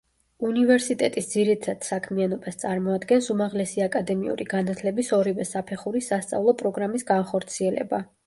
უნივერსიტეტის ძირითად საქმიანობას წარმოადგენს უმაღლესი აკადემიური განათლების ორივე საფეხურის სასწავლო პროგრამის განხორციელება.